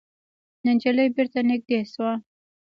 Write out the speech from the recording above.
نجلۍ بېرته نږدې شوه.